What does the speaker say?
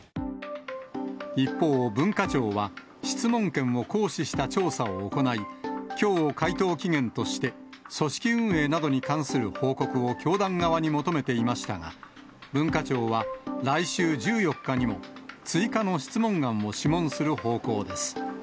一方、文化庁は、質問権を行使した調査を行い、きょうを回答期限として、組織運営などに関する報告を教団側に求めていましたが、文化庁は、来週１４日にも追加の質問案を諮問する方向です。